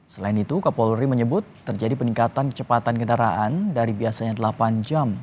selain itu kapolri menyebut terjadi peningkatan kecepatan kendaraan dari biasanya delapan jam